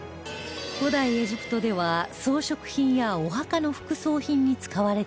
古代エジプトでは装飾品やお墓の副葬品に使われていました